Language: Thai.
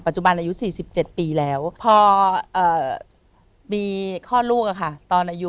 ปัจจุบันอายุ๔๗ปีแล้วพออ่ามีข้อลูกอ่ะค่ะตอนอายุ๑๗๑๘